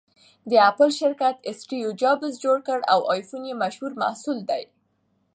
د اپل شرکت اسټیوجابز جوړ کړ٬ او ایفون یې مشهور محصول دی